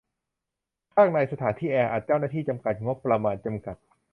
ข้างในสถานที่แออัด เจ้าหน้าที่จำกัด งบประมาณจำกัด